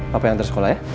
papa yang antar sekolah ya